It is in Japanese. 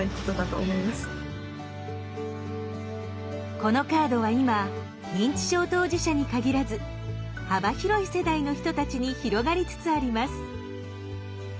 このカードは今認知症当事者に限らず幅広い世代の人たちに広がりつつあります。